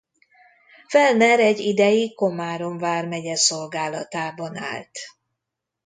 Fellner egy ideig Komárom vármegye szolgálatában állt.